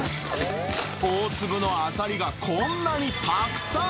大粒のアサリがこんなにたくさん。